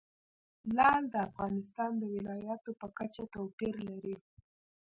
لعل د افغانستان د ولایاتو په کچه توپیر لري.